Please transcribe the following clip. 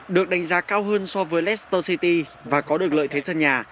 được đánh giá cao hơn so với leicester city và có được lợi thế sân nhà